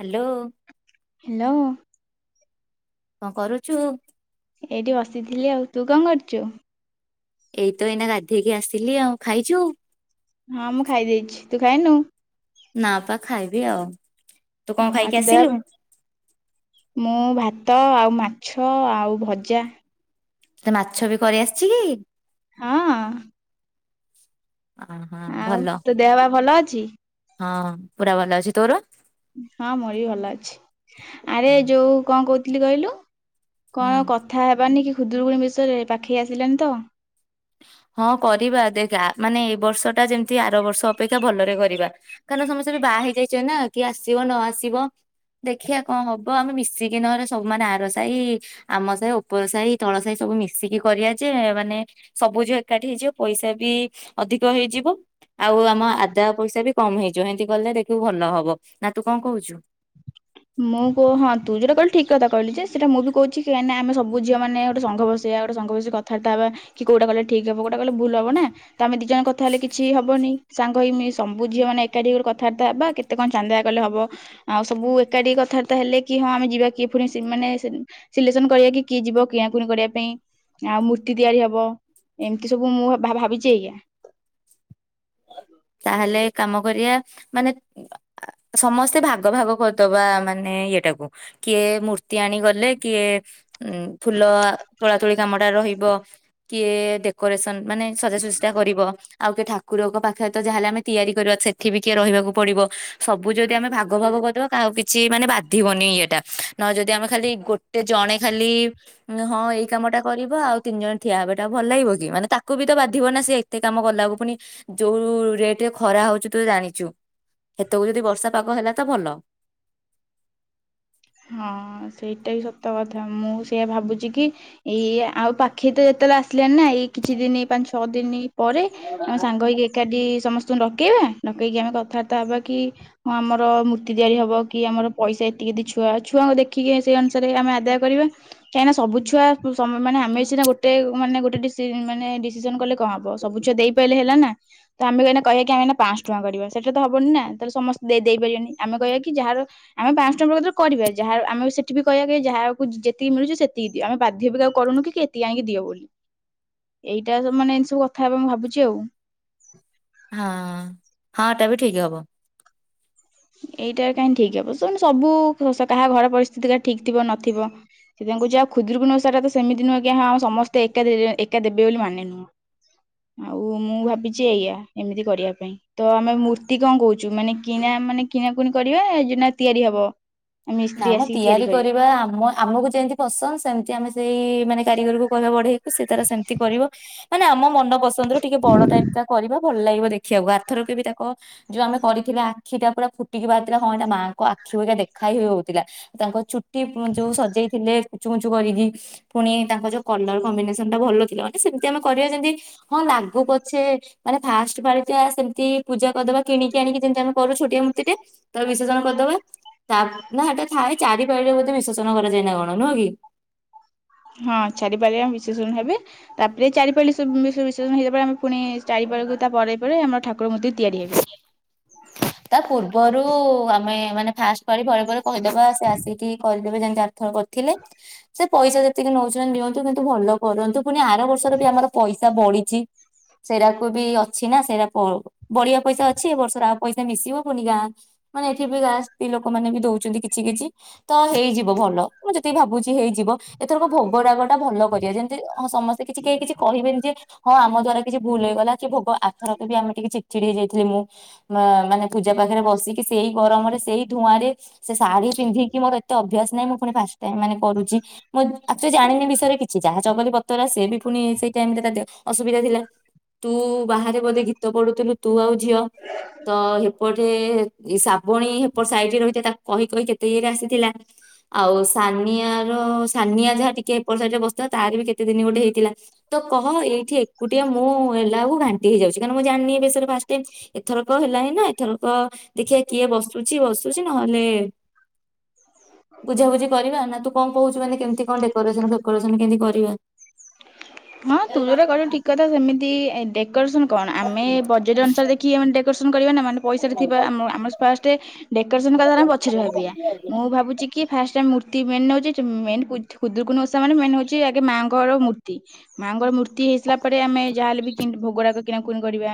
Hello hello. କଣ କରୁଚୁ? ଏଇଠି ବସିଥିଲି ଆଉ ତୁ କଣ କରୁଚୁ? ଏଇ ତ ଏଇନା ଗାଧେଇକି ଆସିଲି ଆଉ ଖାଇଛୁ। ହଁ ମୁଁ ଖାଇ ଦେଇଛି ତୁ ଖାଇନୁ? ନାଁପା ଖାଇବି ଆଉ ତୁ [unintelligible] କଣ ଖାଇକି ଆସିଲୁ? ମୁଁ ଭାତ। ଭାତ ଆଉ ମାଛ ଆଉ ଭଜା। ତତେ ମାଛ ବି କରିଆସିଛି କି? ହଁ ଅହଁ ଆଉ ଭଲ ତୋ ଦେହପା ଭଲ ଅଛି? ହଁ ପୁରା ଭଲ ଅଛି ତୋର? ହଁ ମୋର ବି ଭଲ ଅଛି ଆରେ ହୁଁ ଯୋଉଁ କଣ କହୁ [unintelligible] କଣ ହୁଁ। କଥା ହେବାନି କି? ଖୁଦୁରୁକୁଣି ବିଷୟରେ ପାଖେଇ ଆସିଲାନି ତ। ହଁ କରିବା ଦେଖ ଆ ମାନେ ଏଇ ବର୍ଷ ଟା ଯେମତି ଆର ବର୍ଷ ଅପେକ୍ଷା ଭଲରେ କରିବା। କାରଣ ସମସ୍ତେ ବାହା ହେଇଯାଇଛନ୍ତି ନାଁ କିଏ ଆସିବ ନ ଆସିବ? ଦେଖିଆ କଣ ହୋଉଚି ତ ଆମେ ମିଶିକି ନହେନେ ସବୁମାନେ ଆର ସାଇ ଆମ ସାଇ ଓପର ସାଇ ତଳ ସାଇ ସବୁ ମିଶିକି କରିବା ଯେ ମାନେ ସବୁ ଝିଅ ଏକାଠି ହେଇଯିବ ପଇସା ବି ଅଧିକ ହେଇଯିବ। ଆଉ ଆମ ଆଦା ପଇସା ବି କମ ହେଇଯିବ ହେନ୍ତି କଲେ ଦେଖିବୁ ଭଲ ହବ ନା ତୁ କଣ କହୁଚୁ? ମୁଁ କହ ହଁ ତୁ ଯୋଉଟା କହିଲୁ ଠିକ କଥା କହିଲୁ ଯେ ସେଟା ମୁଁ ବି କହୁଛି କାଇଁ ନା ଆମ ସବୁ ଝିଅ ମାନ ଗୋଟେ ସଂଘ ବସେଇଆ। ଗୋଟେ ସଂଘ ବସେଇି କଥାବାର୍ତ୍ତା ହେବା କି କୋଉଟା କଲେ ଠିକ ହବ କୋଉଟା କଲେ ଭୁଲ୍ ହବ। ନା ତ ଆମେ ଦି ଜଣ କଥା ହେଲେ କିଛି ହବନି ସାଙ୍ଗ ହେଇି ସବୁ ଝିଅ ମାନେ ଏକାଠି ଗୋଟେ କଥାବାର୍ତ୍ତା ହେବା କେତ କଣ ଚାନ୍ଦା କଲେ ହବ ଆଉ ସବୁ ଏକାଠି କଥାବାର୍ତ୍ତା ହେଲେ କି ହଁ ଆମେ ଯିବା କିଏ ପୁଣି ମାନେ କି ମାନେ ସିଲେକ୍ସନ କରିବା କି କିଏ ଯିବ କିଣାକଣି କରିବା ପାଇଁ ଆଉ ମୂର୍ତ୍ତି ତିଆରି ହବ। ଏମିତି ସବୁ ମୁଁ ଭା-ଭାବିଛି ଏଇୟା। ତାହେଲେ କାମ କରିବା ମାନେ ଆ ସମସ୍ତେ ଭାଗ ଭାଗ କରିଦବା ମାନେ ଇଏ ଟାକୁ କିଏ ମୂର୍ତ୍ତି ଆଣି ଗଲେ କିଏ ଉଁ ଫୁଲ ତୋଳା ତୋଳି କାମଟା ରହିବ। କିଏ ଡେକୋରେସନ୍ ମାନେସଜା ସୁଜି କରିବ। ଆଉ କେ ଠାଆଁ। କୁକୁରଙ୍କ ପାଖରେ ତ ଯାହା ହେଲେ ଆମେ ତିଆରି କରିବା। ସେଠି ବି କିଏ ରହିବାକୁ ପଡିବ ସବୁ ଯଦି ଆମେ ଭାଗ ଭାଗ କରିଦବା କାହାକୁ କି କିଛି ମାନେ ବାଧିବନି ଇଏଟା ନହେ ଯଦି ଆମେ ଖାଲି ଗୋଟେ ଜଣେ ଖାଲି ମାନେ ହଁ ଏଇ କାମ ଟା କରିଵ ଆଉ ତିନି ଜଣ ଠିଆ ହେବେ ଏଟା ଭଲ ଲାଗିବ କି ମାନେ ତାକୁ ବି ତ ବାଧିବ ନା ସେଏ ଏତେ କାମ କଲାକୁ ପୁଣି ଯୋଉ ରେଟରେ ଖରା ହଉଚୁ ତୁ ତ ଜାଣିଛୁ ସେତକୁ ଯଦି ବର୍ଷା ପାଗ ହେଲା ତ ଭଲ। ହଁ ସେଇଟା ବି ସତ କଥା ମୁଁ ସେଇଆ ଭାବୁଛି କି ଏଇ ଆଉ ପାଖେଇ ତ ଯେତେବେଳେ ଆସିଲାନି ନା ଏଇ କିଛି ଦିନି ପାଞ୍ଚ ଛଅ ଦିନ ପରେ ଆମେ ସାଙ୍ଗ ହେଇକି ଏକାଠି ସମସ୍ତେ ଡକେଇବା ଡକେଇକି ଆମେ କଥାବାର୍ତ୍ତା ହେବା କି। ହଁ ଆମର ମୂର୍ତ୍ତି ତିଆରି ହବ କି ଆମର ପଇସା ଏତିକି ଦେଇଛୁ। ଛୁଆ ଛୁଆଙ୍କୁ ଦେଖିକି ସେଇ ଅନୁସାରେ ଆମେ ଆଦାୟ କରିବା କାଇଁନା ସବୁ ଛୁଆ ସ ମାନେ ଆମେ ସିନା ଗୋଟେ ମାନେ ଗୋଟେ ଦିସ୍ ମାନେ ଡିସିସନ କଲେ କଣ ହବ ସବୁ ଛୁଆ ଦେଇପାଇଲେ ହେଲା ନା। ତ ଆମେ କହନା କହିବାକ ଆମେ ପାଞ୍ଚଶ ଟଙ୍କା କରିବା ସେଇଟା ତ ହବନି ନା ତାହେଲେ ସମସ୍ତେ ଦେଇପାରିବେନି ଆମେ କହିବା କି ଯାହାର ଆମେ ପାଞ୍ଚ ଟଙ୍କା ପେକ କରିବା ଯାହା ଆମେ ସେଠି ବି କହିବା କି ଯାହାକୁ ଯେତିକି ମିଳୁଛି ସେତିକି ଦିଅ ଆମେ ବାଧ୍ୟ ବିି ଆଉ କରୁନୁ କି ଏତିକି ଆଣିକି ଦିଅ ବୋଲି ଏଇଟା ମାନେ ଏମିତି ସବୁ କଥା ହେବା ମୁଁ ଭାବୁଛି ଆଉ। ହଁ ଏଟା ବି ଠିକି ହବ। ଏଇଟା କାହିଁକି ଠିକ ହବ। ଶୁ ସବୁ କାହା ଘର ପରିସ୍ଥିତି କା ଠିକ ଥିବ ନଥିବ ସେଥି କହୁଛି ଆଉ ଖୁଦରୁକୁ ନୁହଁ ସେଟା ତ ସେମିତି ନୁହେଁ କି ହଁ ଆ ସମସ୍ତେ ଏକା ଏକା ଦେବେ ବୋଲି ମାନେ ନୁହଁ। ଆଉ ମୁଁ ଭାବିଛି ଏଇଆ ଏମିତି କରିବା ପାଇଁ ତ ଆମେ ମୂର୍ତ୍ତି କଣ କହୁଛୁ ମାନେ କିନା ମାନେ କିଣାକୁଣି କରିବା ନାଁ ଜି ତିଆରି ହବ। ନା ମିସ୍ତ୍ରୀ ଆମ ଆସିକି ତିଆରି କରିବେ। କରିବା ଆମ ଆମକୁ ଯେମିତି ପସନ୍ଦ ସେମତି ଆମେ ସେଇ ମାନେ କାରିଗରକୁ କହିବା ଗଢ଼େଇ ସେ ତାର ସେମିତି କରିବ। ମାନେ ଆମ ମନ ପସନ୍ଦ ର ଟିକେ ବଡ ଟାଇପ୍ ଟା କରିବା। ଭଲ ଲାଗିବ ଦେଖିବାକୁ ଆରଥର କେ ବି ତାକୁ ଯୋଉ ଆମେ କରିଥିଲେ ଆଖିଟା ପୁରା ଫୁଟିକି ବାହାରିଥିଲା ହଁ ଏଟା ମାଆଙ୍କ ଆଖି ଭଳିଆ ଦେଖା ହି ହ ହଉ ଥିଲା। [inaudible] କି ଯୋଉ ସଜେଇଥିଲେ ଚୁଚୁ କରିକି ପୁଣି ତାଙ୍କ ଯୋଉ କଲର କମ୍ବିନେସନ ଟା ଭଲ ଥିଲା ମାନେ ସେମତି ଆମେ କରିବା ଯେମିତି ହଁ ଲାଗୁ ପଛେ ମାନେ ଫାଷ୍ଟ ପାଳି ଟା ସେମିତି ପୂଜା କରିଦବା କିଣିକି ଆଣିକି ଯେମିତି ଆମେ କରୁ ଛୋଟିଆ ମୂର୍ତ୍ତି ଟେ ତ ବିସର୍ଜନ କରିଦବା ତା ଥାଏ। ଚାରି ପାଳି ରେ ବୋଧେ ବିଶୋଚନ କରାଯାଏନା କଣ ନୁହଁ କି? ହଁ ଚାରିପାଳି ଆ ବିଶେଷଣ ହେବେ ତାପରେ ଚାରିପାଲି ବିଶେଷଣ ହେଇଯ ଆମେ ପୁଣି ଚାରିପାରଖ ତା ପରେ ପରେ ଆମର ଠାକୁର ମୂର୍ତ୍ତି ତିଆରି ହେବେ। ତା ପୂର୍ବରୁ ଆମେ ମାନେ ଫାଷ୍ଟ ପାଳି ପରେ ପରେ କହିଦେବା ସେ ଆସିକି କରିଦେବେ ଯେମି ଆର୍ ଥର କରିଥିଲେ। ସେ ପଇସା ଯେତିକି ନେଉଛନ୍ତି ନିଅନ୍ତୁ କିନ୍ତୁ ଭଲ କରନ୍ତୁ। ପୁଣି ଆର ବର୍ଷର ବି ଆମର ପଇସା ବଳି ଚି। ସେଇଟାକୁ ବି ଅଛି ନା ସେଇଟା ବଳିଆ ପଇସା ଅଛି ଏ ବର୍ଷର ଆ ପଇସା ମିଶିବ ପୁଣି ଗାଁ ମାନେ ଏଠି ବି ଗାଁ ସ୍ତି ଲୋକ ଲୋକ ମାନେ ବି ଦଉଛନ୍ତି କିଛି କିଛି ତ ହେଇଯିବ ଭଲ। ମୁଁ ଯେତିକି ଭାବୁଛି ହେଇଯିବ। ଏଥରକ ଭୋଗରାଗ ଟା ଭଲ କରିବା ଯେମିତି ହଁ ସମସ୍ତେ କିଛି କେହି କିଛି କହିବେନି ଯେ ହଁ ଆମ ଦ୍ଵାରା ଭୁଲ ହେଇଗଲା କି ଭୋଗ ଆଥରକ ବି ଆମେ ଟିକେ ଚିଚିଡି ହେଇ ଯାଇଥିଲି। ମୁଁ ମାନେ ପୂଜା ପାଖରେ ବସିକି ସେଇ ଗରମରେ ସେଇ ଧୂଆଁରେ ସେ ଶାଢ଼ୀ ପିନ୍ଧିକି ମୋର ଏତେ ଅଭ୍ୟାସ ନାଇଁ ମୁଁ ଫୁଣି ଭା ତା ମାନେ କରୁଛି ମୁଁ ଆକ୍ଚୁଲି ଜାଣିନି ବିଷୟରେ କିଛି ଯାହା ଚଗଲି ବ ତର ସେ ବି ପୁଣି ସେଇଟାଇମ ତା ଦେ ଅସୁବିଧା ଥିଲା। ତୁ ବାହାରେ ବୋଧେ ଗୀତ ପଢୁଥିଲୁ ତୁ ଆଉ ଝିଅ ତ ହେ ସେପଟେ ସାପ୍ ଭଉଣୀ ହେପଟ ସାଇଟ ରେ ରହିଥାଏ ତାକୁ କହିି କହି କେତେ ଇଏରେ ଆସିଥିଲା। ଆଉ ସାନିଆ ର ସାନିଆ ଯାହା ଟିକେ ଏପଟ ସାଇଡରେ ବସିଥିଲା ତାର ବି କେତେ ଦିନ ଗୋଟେ ହେଇଥିଲା। ତ କହ ଏଇଠି ଏକୁଟିଆ ମୁଁ ହେଲା କୁ ଘାଣ୍ଟି ହେଇଯାଉଛି କାରଣ ମୁଁ ଜାଣିନି ଏବିଷୟରେ ଫାଷ୍ଟ ଟାଇମ୍ ଏଥରକ ହେଲାଣି ନା ଏଥରକ ଦେଖିବା କିଏ ବସୁଛି ବସୁଛି ନହେଲେ ବୁଝାବୁଝି କରିବା ନା ତୁ କଣ କହୁଛୁ ମାନେ କେମିତି କଣ ଡେକୋରେସନ ଫକୋରେସନ କେମତି କରି ଇଏ ହଁ ତୁ ଯୋଉଟା କହିଲୁ ଠିକ୍ କଥା ସେମିତି ତି ଏଦେଖ୍ ଡେକୋରେସନ କଣ ଆମେ ବଜେଟ ଅନୁସାରେ ଦେଖି କରିବା ନାଁ ମାନୁ ପଇସା ହଁ ଟା ଥିବା ଆମ ଆମର ଫାଷ୍ଟେ ଦେକ୍ରସେନ କଥାଟା ଆମେ ପଛରେ ଭାବିବା ମୁଁ ଭାବୁଛି କି ଫାଷ୍ଟ ଆମେ ମୁର ମେନ୍ ହଉଛି ମେନ୍ ଖୁଦୁରୁକୁଣୀ ଓଷା ମାନେ ମେନ୍ ହଉଛି ଆଗେ ମାଆଙ୍କର ମୂର୍ତ୍ତି ମା ଙ୍କର ମୂର୍ତ୍ତି ହେଇ ଆସିଲା ପରେ ଆମେ ଯହା ହଲେ ବି କିନ୍ତି ଭୋଗରାଗ କିଣାକୁଣି କରିବା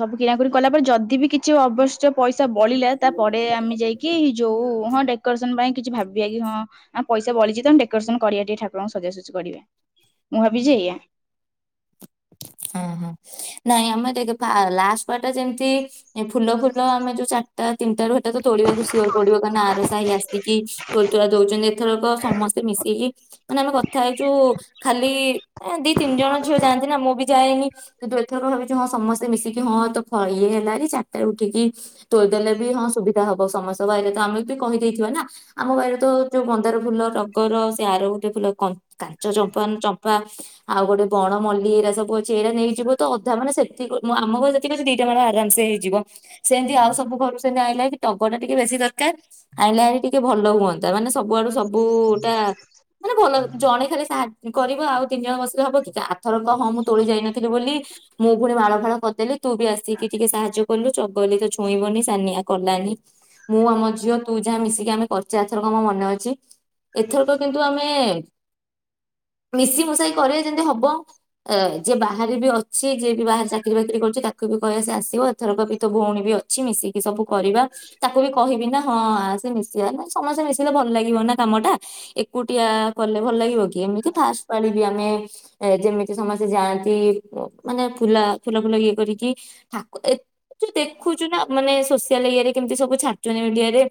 ସବୁ କିଣାକୁଣି କଲା ପରେ ଯଦି ବି କିଛି ଅବଶ୍ୟ ପଇସା ଛା ବଳିଲା ତା ପରେ ଆମେ ଯାଇକି ଯଉ ହଁ ଡେକୋରେସନ ପାଇଁ କିଛି ଭାବିବା କି ହଁ ପଇସା ବଳିଛି ତ ଡେକୋରେସନ କରିବା ଟିକେ ଠାକୁରଙ୍କୁ ସଜାସଜି କରିବେ। ମୁଁ ଭାବିଚି ଇଆ ହଁ ହଁ ନାଇଁ ଆମେ ଦେଖେ ଫା ଲାଷ୍ଟ ପୁରା ଟା ଯେମିତି ଫୁଲ ଫୁଲ ଆମେ ଯୋଉ ଚା ତା ତିନିଟାରୁ ହେଟା ତ ତୋଳିବାକୁ ସିଓର ପଡିବ କାହିଁକି ନା ଆର ସାହି ଆସିକି ତୋଳି ତୋଳା ଦଉଛନ୍ତି ଏଥରକ ସମସ୍ତେ ମିଶିକି ମାନେ ଆମେ କଥା ହେଇଛୁ ଖାଲି ଦି ତିନି ଜଣ ଝିଅ ଯାଆ ଏନା ମୁଁ ବି ଯାଏନି [unintelligible] ଭାବିଛିୁ ହଁ ସମସ୍ତେ ମିଶିକି ହଁ ତ ଇଏ ହେଲାଣି ଚାରିଟାରେ ଉଠିକି ତୋଳି ଦେଲେ ବି ହଁ ସୁବିଧା ହବ ସମସ୍ତଙ୍କ ବାଇରେ ତ ଆମେ ବି କହିଦେଇଥିବା ନା ଆମ ବାଇରେ ତ ଯୋଉ ମନ୍ଦାର ଫୁଲ ରଗର ସେ ଆର ଗୋଟେ ଫୁଲ କାଞ୍ଚ ଚମ୍ପା ଚମ୍ପା ଆଉ ଗୋଟେ ବଣ ମଲି ଯା ସବୁ ଅଛି ଏଇଡା ନେଇକି ଯିବ ତ ଅଧା ମାନେ ସେ ମୁଁ ଆମ ଘର [unintelligible] [unintelligible] ସେମିତି ଆଉ ସବୁ ଘରୁ ସେନି ଆଇ ତଗ ଟା ଟିକେ ବେଶୀ ଦରକାର ଆଣିଲ ଆଇ ଟିକେ ଭଲ ହୁଅନ୍ତା ମାନେ ସବୁଆଡୁ ସବୁଟା ମାନେ ଭଲ ଜଣେ ଖାଲି ସାହାଯ୍ୟ କରିବ ଆଉ ତିନି ଜଣ ବସିକେ ହବ କି? ଥର ହଁ ମୁଁ ତୋଳି ଯାଇ ନଥିଲି ବୋଲି ମୁଁ ପୁଣି ମାଳ ଫଳ ପଦ ତୁ ବି ଆସିକି ଟିକେ ସାହାଯ୍ୟ କଲୁ ଚଗଲି ତ ଛୁଇଁବନି ସାନିଆ କଲାନି। ମୁଁ ଆମ ଝିଅ ତୁ ଯାହା ମିଶି ଆମେ କରିଛେଥରକ ଆମ ମନେ ଅଛି ଏଥରକ କିନ୍ତୁ ଆମେ ମିଶିମଶାଇ କରିବେ ଯେମତି ହବ ଏ ଯିଏ ବାହାରେ ବି ଅଛି ଯିଏ ବି ବାହାରେ ଚାକିରରି ବାକିରି କରୁଛି ତାକୁ ବି କହିବା ସେ ଆସିବ ଏଥରକ ପ ତୋ ଭଉଣୀ ବି ଅଛି ମିଶିକି ସବୁ କରିବା ତାକୁ ବି କହିବି ନା ହଁ ସେ ମିଶିବା ସମସ୍ତେ ମିଶିଲେ ଭଲ ଲାଗିବ ନା କାମ ଟା ଏକୁଟିଆ କଲେ ଭଲ ଲାଗିବ କି ଏମିତି ଫାଷ୍ଟ ପାଳିବି ଆମେ ଯେମିତି ସମସ୍ତେ ଯାଆନ୍ତି ମାନେ ଫୁଲା ଫୁଲ ଫୁଲ ଇଏ କରିକି ଠା ଏ ଯୋଉ ଦେଖୁଛୁ ନା ମାନେ ସୋସିଆଲ ଇରେ କେମିତି ସବୁ ଛାଡୁଛନ୍ତି ମିଡିଆରେ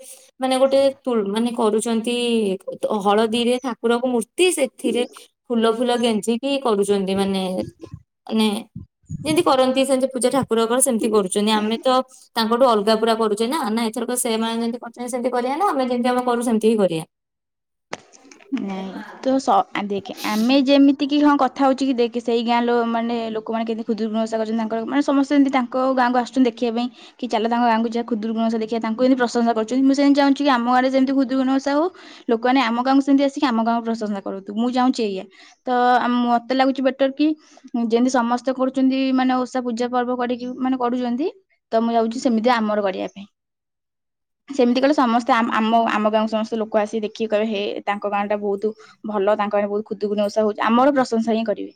ମାନେ ଗୋଟେ ମାନେ କରୁଛନ୍ତି ହଳଦୀରେ ଠାକୁରଙ୍କ ମୂର୍ତ୍ତି ସେଥିରେ ଫୁଲ ଫୁଲ ଗେଜିିକି କରୁ ମାନେ ମାନେ ଯେମିତି କରନ୍ତି ସେମତି ପୂଜା ଠାକୁରଙ୍କର ସେମିତି କରୁଛନ୍ତି ଆମେ ତ ତାଙ୍କଠୁ ଅଲଗା ପୁରା କରୁଛେ ନା ନା ଏଥରକ ସେମାନେ ଯେମିତି କରୁଛନ୍ତି ସେମତି କରିବା ନା ଆମେ ଯେମତି ଆମେ କରୁ ସେମିତି ହି କରିବା ନାଇଁ ତ ଦେଖେ ଆମେ ଯେମିତି ଏତିକି ହଁ କଥା ହଉଛି କି ସେଇ ଗାଁ ଲ ମାନେ ଲୋକମାନେ କେମିତି ଖୁକୁୁଣସା କରଛନ୍ତି ତାଙ୍କ ମାନେ ସମେମତି ତାଙ୍କ ଗାଁକୁ ଆସୁଛନ୍ତି ଦେଖିବା ପାଇଁ କି ଚାଲ ତା ଗାଁକୁ ଯାହା ଖୁଦୁଣସା ଦେଖିବା ତାଙ୍କୁମିତି ପ୍ରଶଂା କରୁଛନ୍ତି ମୁଁ ସେମତି ଚାହୁଁଛି କି ଆମ ଗାଁରେ ଯେମିତିୁଣସା ହଉ ଲୋକମାନେ ଆମ ଗାଁକୁ ସେମତି ସେ କି ଆମ ଗାଁକୁ ପ୍ରଶଂସା କରୁୁ ମୁଁ ଯାଉଛି ଏଇା ତ ମତେ ଲାଗୁଛି ବେଟର କି ଯେମିତି ସମସ୍ତେ କରୁଛନ୍ତି ମାନେ ଓଷା ପୂଜା ପର୍ବ କରିକି ମାନେ କରୁଛନ୍ତି ତ ମୁଁ ଯାଉଛି ସେମିତି ଆମର କରିବା ପାଇଁ ସେମିତି କଲେ ସମସ୍ତେ ଆମ ଆମ ଗାଁ ସମସ୍ତେ ଲୋକ ଆସିିକି ଦେଖିକି କହିବେ ହେ ତା ତାଙ୍କ ଗାଁ ଟା ବହୁତ ଭଲ ତାଙ୍କ ଆାନ ବହୁତ ଖୁଦକୁ ନସା ହଉଛି ଆମର ପ୍ରଶଂସା ହିଁ କରିବେ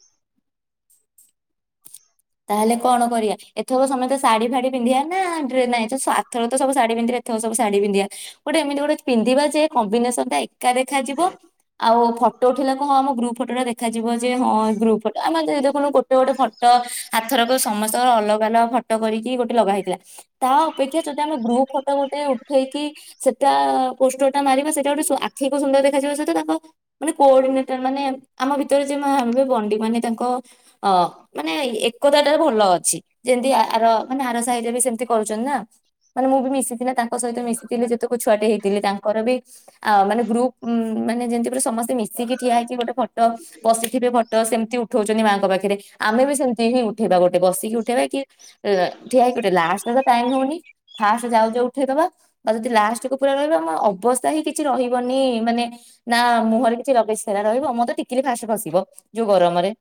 ତାହେଲେ କଣ କରିବା ଏଥର ତ ସମସ୍ତେ ଶଢୀ ଫାଢୀ ପିନ୍ଧିବା ନା ନଁ ଆଥର ତ ସବୁ ଶଢୀ ପିନ୍ଧିବା ଏଥ ସବ ଶାଢୀ ପିନ୍ଧିବା ଗୋଟେ ଏମିତି ଗୋଟେ ପିନ୍ଧିବା ଯେ କମ୍ବିନେସନ୍ ଟା ା ଦେଖାଯିବ ଆଉ ଫଟୋ ଉଠେଇା କ ହଁ ଆମ ଗ୍ରୁପ ଫଟୋଟା ଦେଖାଯିବ ଯେ ହଁ ଗ୍ରୁପ ଆମର ଯ ଦେଖଣୁ ଗୋଟେ ଗୋଟେ ଫଟୋ ସମସ୍ତଙ୍କର ଅଲଗା ଫଟୋ କରିକି ଗୋଟେ ଲଗା ହେଇଥିଲା। ତା ଅପେକ୍ଷା ଯଦି ଆମେ ଗ୍ରୁପ ଫଟୋ ଗୋଟେ ଉଠେଇକି ସେଟା ପୋଷ୍ଟର ଟା ମାରିବା ସେଇଟା ଗୋଟେ ଆଖି କକୁ ସୁନ୍ଦର ଦେଖାଯିବ ସେ ତାଖ ମାନେ କୋର୍ଡିନେଟର ମାନେ ଆମ ଭିତରେ ଯେ ବଣ୍ଡି ମାନେ ତାଙ୍କ ଅ ମାନେ ଏକତା ଟା ଭଲ ଅଛି ଯେମିତି ଆ- ଆର ମାନେ ଆର ସାହିରେ ବି ସେମିତି କରୁଛନ୍ତି ନା? ମାନେ ମୁଁ ବି ମିଶିଥିଲ ତାଙ୍କ ସହିତ ମିଶିଥିଲି ଯେତେଳେ ଛୁଆଟେ ହେଇଥିଲି ତାଙ୍କର ବି ଆ ମାନେ ଗ୍ରୁପାନ ଯେମତି ସମେ ମି ବସିକି ଠିଆ ହେଇଛି ଗୋଟେ ଫଟୋ ବସିିଥିବେ ଫଟୋ ସେମିତି ଉଠଉଛନ୍ତି ମାଆଙ୍କ ପାଖରେ ଆମେ ବି ସେମିତି ହିଁ ହେ ଗୋଟେ ବସିକି ଉଠେଇବା କି? ଠିଆ ହେଇ ଗୋଟେ ଲାଷ୍ଟ ତ ଟାଇମ ହଉନି ଫାଷ୍ଟ ଯାଉଛ ଉଠେଇଦବା ବା ଯଦି ଲାଷ୍ଟକୁୁ ପୁରା କରିବାହ ଆମ ଅବସ୍ ହଁ କିଛି ରହିବନି ମାନେ ନା ମୁହଁରେ କିଛି ଲଗେଇ ସି ନା ରହିବ ମୋତ ତ ଟିକିଲି ଫାଷ ଫସିବ ଯୋଉ ଗରମରେ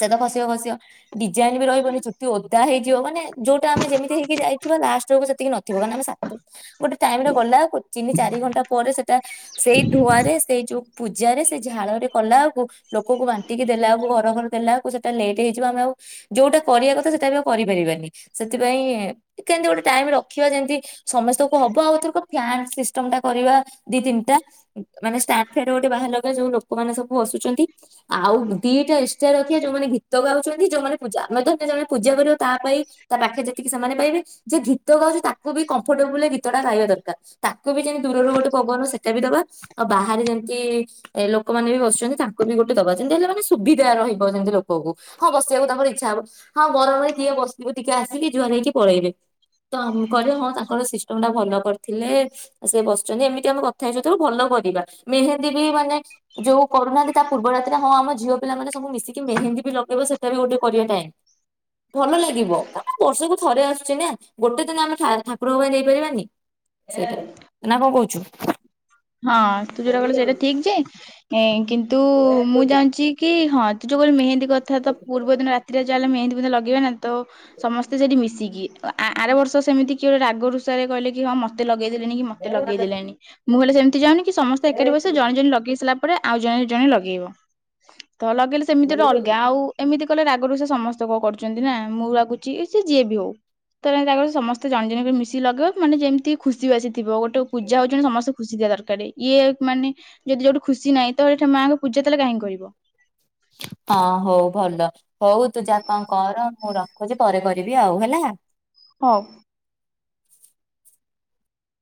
ସେ ତ ଖସିବ ଖସିବ ଧ୍ୟାନ ଵି ରହିବନି ଛୁଟି ଓଦା ନା ହେଇଯିବ ମାନେ ଯୋଉଟା ଆମେ ଯେମିତି ହେଇକି ଯାଇଥିବା ଲାଷ୍ଟ ର ସେତିକି ନଥିବ କାର ଆମେ ସାତ ଗୋଟେ ଟାଇମ ରେ ଗଲା ଆକୁ ତିନି ଚାରି ଘଣ୍ଟା ପରେ ସେଟା ସେଇ ଧୂଆରେ ସେଇ ଯୋଉ ପୂଜାରେ ସେଇ ଝାଳ ରେ କଲା ଆକୁ ଲୋକକୁ ବାଣ୍ଟିକି ଦେଲା ଆକୁ ଘର ଘର ଦେଲା ଆକୁ ତା ଲେଟ ହେଇଯିବ ଆମ ଆଉ [inaudible] ଯୋଉଟା କରିବା କଥା ସେଇଟା ବି ଆଉ କରିପାରିବାନି ସେଥିପାଇଁ କେମିତି ଗୋଟେ ଟାଇମ ରଖିବା ଯେମତି ସମସ୍ତଙ୍କୁ ହବ ଆଉ ଥର ଫ୍ୟାନ ସିଷ୍ଟମ ଟା କରିବା ଦି ତିନିଟା ମାନେ ଷ୍ଟାଣ୍ଡ ଫ୍ୟାନ ଗୋଟେ ବାହାର ଲଗବା ଯୋଉ ଲୋକମାନୋନ ସବୁ ବସୁଛନ୍ତି ଆଉ ଦିଟା ରଖିବା ଯୋଉମାନେ ଗୀତ ଗାଉଛନ୍ତି ଯୋଉମାନେ ପୂଜା ଆମେ ଧମାନେ ପୂଜା କର ତା ପାଇଁ ତା ପାଖରେ ଯେତିକି ସେମାନେ ପାଇବେ ଯେ ଗୀତ ଗାଉଛି ତାକୁ ବି କମ୍ଫର୍ଟେବୁଲ ଗୀତ ଟଟା ଗାଇବା ଦରକାର ତାକୁ ବି ଯେମିତି ଦୂରରୁ ଗୋଟେ ପବନ ସେଇଟା ବି ଦବା ଆଉ ବାହାରେ ଯେମିତି ଏ ଲୋକମାନେ ବି ବସୁଛନ୍ତି ତାଙ୍କୁ ବି ଗୋଟେ ଦବା ଯେମିତି ହେଲେ ମାନେ ସୁବିଧା ରହିବ ସେମିତି ଲୋକକୁ ହଁ ବସିବାକୁ ତାଙ୍କର ଇଚଛା ହବ ହଁ ବରରେ କିଏ ବସିବୁ ଟିକେ ଆସିକି ଯୁଆର ହେଇକି ପଳେଇବେ ତ କହିଲେ ହଁ ତାଙ୍କର ସିଷ୍ଟମ ଟା ଭଲ କରିଥିଲେ ସେ ବସିଛନ୍ତି ଏମିତି ଆମେ କଥା ହେଇଛ ତକୁ ଭଲ କରିବା ମେହେନ୍ଦୀ ବି ମାନେ ଯୋଉ କରୁନାହାନ୍ତି ତା ପୂର୍ବ ରାତିରେ ହଁ ଆମ ଝିଅ ପିଲାମାନେ ସବୁ ମିଶିକି ମେହେନ୍ଦୀ ବି ଲ ଏ ସେଟା ବି ଗୋଟେ କରିବା ଟାଇମ ଭଲ ଲାଗିବ କାର ବର୍ଷକୁ ଥରେ ଆସୁଛି ନା ଗୋଟେ ଦିନ ଆମେ ଠାକୁର ଭାଇ ନେଇପାରିବାନି ସେଟା ନା କଣ କହୁଛୁ? ହଁ ତୁ ଯୋଉଟା ହଁ କହିଲ ସେଇଟା ଠିକ ଯେ ଏଁ କିନ୍ତୁ ତୁ ମୁଁ ଜାଣିଛି କି ହଁ ଯୋଉ ଭଳି ମେହେନ୍ଦୀ କଥା ତ ପୂର୍ବ ଦିନ ରାତିରେ ଲେ ମେନ୍ଦୀ ମେହେ ଲଗେଇବେ ନା ତ ସମସ୍ତେ ସେଠି ମିଶିକି ଆର ବର୍ଷ ସେମିତି କି ଗୋଟେ ରାଗ ରୁଷାରେ କହିଲେ କି ହଁ ମତେ ଲଗେଇ କି ମତେ ଲଗେଇ ଦେଲେଣି ମୁଁ କଲେ ସେମିତି ଜାନି ସମସ୍ତେ ଏକାଠି ବସିବ ଜଣେ ଜଣେ ଲଗେଇସାଇଲା ପରେ ଆଉ ଜଣେ ଜଣେ ଲଗେଇବ ତ ଲଗେଇଲେ ସେମିତି ଅଲଗା ଆଉ ଏମିତି କହିଲେ ରାଗ ରୁସା ସେ ସମସ୍ତେ କଣ କରୁଛନ୍ତି ନା ମୁଁ ରାଗୁଛି ସେ ଯିଏ ବି ହଉ ତା ରାଗରୁ ସେ ସମସ୍ତେ ଜଣେ ଜଣ କରି ମିଶି ଲଗିବ ମାନେ ଯେମିତି ଖୁସି ବାସି ଥ ଗୋଟେ ପୂଜା ହଛନ୍ତି ସମସ୍ତ ଖୁସି ଦିଆ ଦରକାର ଇଏ ମାନେ ଯଦି ଯୋଉଠି ଖୁସି ନାହିଁ ତାହେଲେ ମାଆଙ୍କ ପୂଜା ତାହଲେ କାହିଁ କରିବ। ହଁ ହଉ ଭଲ ହଉ ତୁ ଯା କଣ କର ମୁଁ ରଖୁଛି ପରେ କରିବି ଆଉ ହେଲା। ହଉ।